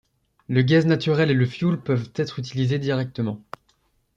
Le gaz naturel et le fioul peuvent être utilisés directement.